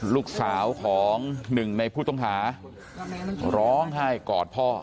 ลูกสาวของหนึ่งในผู้ต้องหาร้องไห้กอดพ่อ